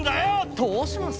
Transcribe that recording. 「どうします？」。